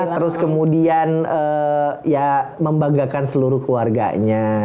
terus kemudian ya membanggakan seluruh keluarganya